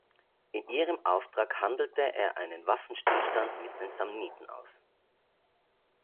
In ihrem Auftrag handelte er einen Waffenstillstand mit den Samniten aus.